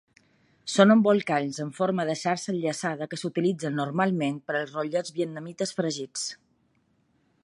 Són embolcalls amb forma de xarxa enllaçada que s'utilitzen normalment per als rotllets vietnamites fregits.